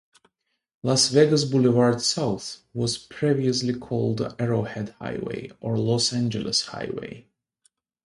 Las Vegas Boulevard South was previously called Arrowhead Highway, or Los Angeles Highway.